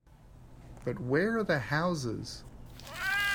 But where are the houses?